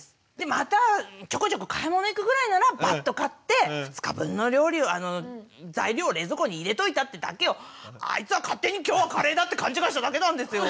またちょこちょこ買い物行くぐらいならバッと買って２日分の料理をあの材料を冷蔵庫に入れといたってだけをあいつは勝手に今日はカレーだって勘違いしただけなんですよ。